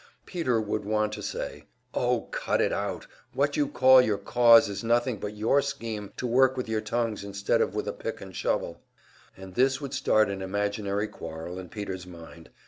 Peter would want to say: "Oh, cut it out! What you call your `cause' is nothing but your scheme to work with your tongues instead of with a pick and a shovel." And this would start an imaginary quarrel in Peter's mind.